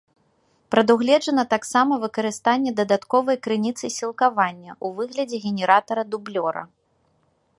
Прадугледжана таксама выкарыстанне дадатковай крыніцы сілкавання ў выглядзе генератара-дублёра.